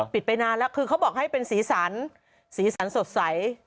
ไปนานแล้วคือเขาบอกให้เป็นสีสันสีสันสดใส